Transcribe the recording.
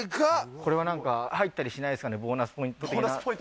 これはなんか入ったりしないですかね、ボーナスポイント的な。